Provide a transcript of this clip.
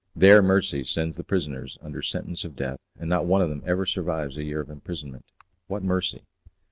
There mercy sends the prisoners under sentence of death, and not one of them ever survives a year of imprisonment. What mercy!